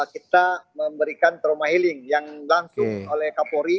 kita memberikan trauma healing yang langsung oleh kapolri